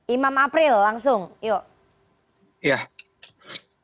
imam april langsung yuk